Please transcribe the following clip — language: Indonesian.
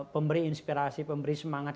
pemberi inspirasi pemberi semangat